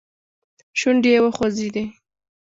شونډې يې وخوځېدې.